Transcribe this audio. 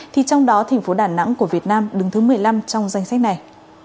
thì trong đó thành phố đà nẵng của việt nam đứng thứ một mươi năm trong danh sách này